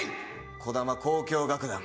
児玉交響楽団